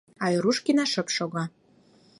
Айрушкина шып шога.